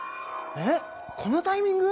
えっこのタイミング？